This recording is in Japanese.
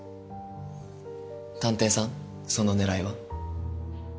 探偵さんその狙いは？